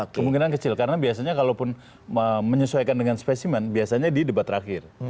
kemungkinan kecil karena biasanya kalaupun menyesuaikan dengan spesimen biasanya di debat terakhir